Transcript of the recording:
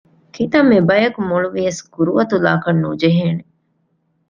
ކިތަންމެ ގިނަ ބަޔަކު މޮޅުވިޔަސް ގުރުއަތުލާކަށް ނުޖެހޭނެ